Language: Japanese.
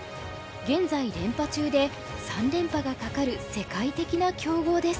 現在連覇中で３連覇が懸かる世界的な強豪です。